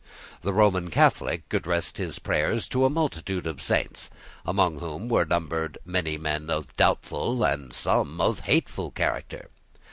The Roman Catholic addressed his prayers to a multitude of Saints, among whom were numbered many men of doubtful, and some of hateful, character.